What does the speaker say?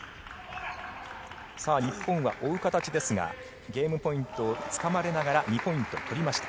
日本は追う形ですがゲームポイントをつかまれながら２ポイント取りました。